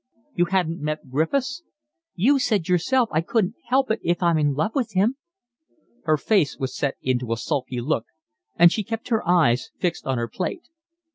"You hadn't met Griffiths?" "You said yourself I couldn't help it if I'm in love with him." Her face was set into a sulky look, and she kept her eyes fixed on her plate.